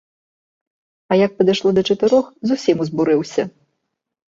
А як падышло да чатырох, зусім узбурыўся.